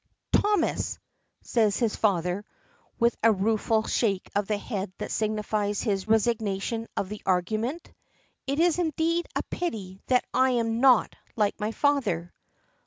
"Thomas!" says his father, with a rueful shake of the head that signifies his resignation of the argument; "it is indeed a pity that I am not like my father!"